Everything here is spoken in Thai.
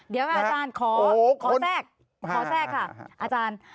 เดี๋ยวอาจารย์ขอแทรกขอแทรกค่ะอาจารย์